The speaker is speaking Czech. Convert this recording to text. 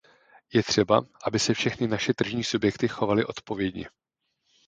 Je třeba, aby se všechny naše tržní subjekty chovaly odpovědně.